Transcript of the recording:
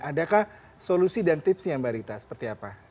adakah solusi dan tipsnya mbak rita seperti apa